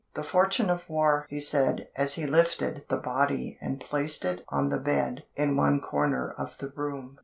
"The fortune of war!" he said as he lifted the body and placed it on the bed in one corner of the room.